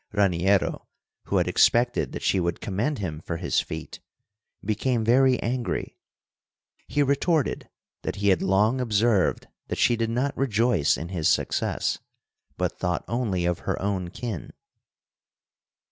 Raniero, who had expected that she would commend him for his feat, became very angry. He retorted that he had long observed that she did not rejoice in his success, but thought only of her own kin.